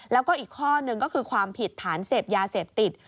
แล้วก็อีกข้อหนึ่งก็คือความผิดฐานเสพยาเสพติด